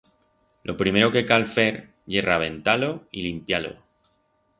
Lo primero que cal fer ye rabentar-lo y limpiar-lo.